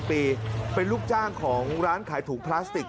ปีเป็นลูกจ้างของร้านขายถุงพลาสติก